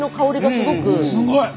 すごい！